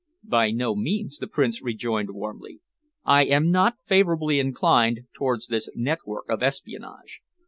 "By no means," the Prince rejoined warmly. "I am not favourably inclined towards this network of espionage.